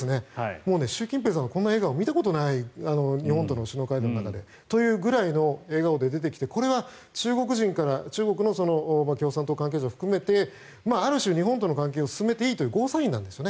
もう習近平さんのこんな笑顔見たことない日本との首脳会談の中でというぐらいの笑顔で出てきてこれは中国の共産党関係者を含めてある種、日本との関係を進めていいというゴーサインなんですね。